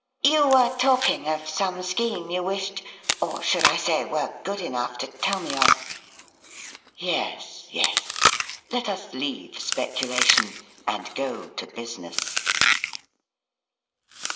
' You were talking of some scheme you wished, or, I should say, were good enough to tell me of.' ' Yes, yes. Let us leave speculation, and go to business.'